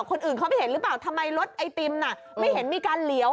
คนอื่นเขาไม่เห็นหรือเปล่าทำไมรถไอติมน่ะไม่เห็นมีการเหลียว